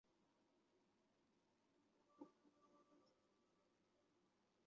三班是东汉初年为汉室作出贡献的班氏三父子。